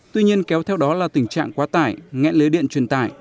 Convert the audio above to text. tuy nhiên kéo theo đó là tình trạng quá tải nghẹn lế điện truyền tải